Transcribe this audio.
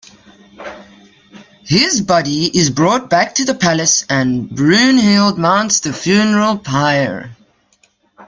His body is brought back to the palace and Brunehild mounts the funeral pyre.